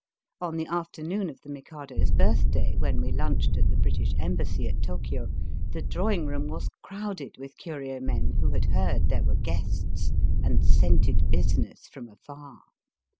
On the afternoon of the Mikado's birthday, when we lunched at the British Embassy at Tokio, the drawing room was crowded with curio men who had heard there were guests, and scented business from afar.